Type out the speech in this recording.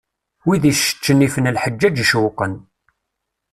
Wid icceččen ifen lḥeǧǧaǧ icewwqen.